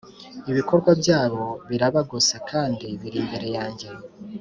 ibikorwa byabo birabagose, kandi biri imbere yanjye.